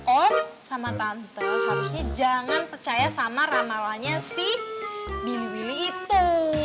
om sama tante harusnya jangan percaya sama ramalannya si billy willy itu